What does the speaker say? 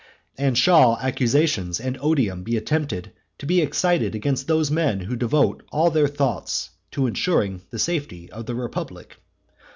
And shall accusations and odium be attempted to be excited against those men who devote all their thoughts to ensuring the safety of the republic?